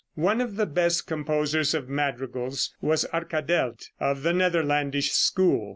One of the best composers of madrigals was Arkadelt, of the Netherlandish school.